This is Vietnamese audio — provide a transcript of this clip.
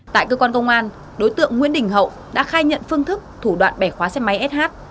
tại cơ quan công an đối tượng nguyễn đình hậu đã khai nhận phương thức thủ đoạn bẻ khóa xe máy sh